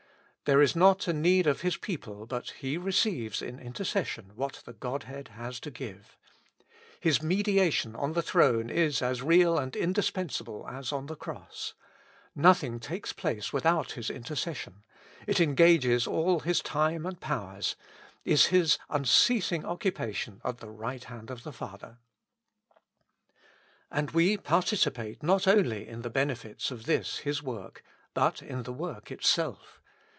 There is not a need of His people but He receives in in tercession what the Godhead has to give : His medi ation on the throne is as real and indispensable as on the cross. Nothing takes place without His inter 211 With Christ in tlie School of Prayer. cession ; it engages all His time and powers, is His unceasing occupation at the right hand of the Father. And we participate not only in the benefits of this His work, but in the work itself.